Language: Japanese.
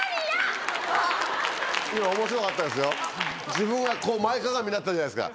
自分がこう前かがみになったじゃないですか。